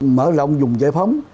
mở rộng dùng giải phóng